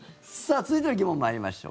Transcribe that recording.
続いての疑問参りましょう。